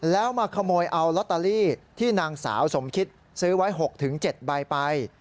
แล้วมาขโมยเอาลอตเตอรี่ที่นางสาวสมคิดซื้อไว้๖๗ใบไป